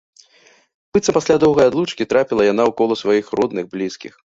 Быццам пасля доўгай адлучкі трапіла яна ў кола сваіх родных, блізкіх.